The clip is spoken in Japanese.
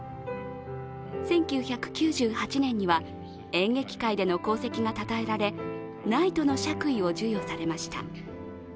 １９９８年には演劇界での功績がたたえられナイトの爵位を授与されました。